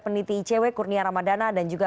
peneliti icw kurnia ramadana dan juga